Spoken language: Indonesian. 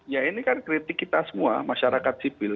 ya ini kan kritik kita semua masyarakat sipil